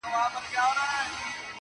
ایله عقل د کومول ورغی سرته٫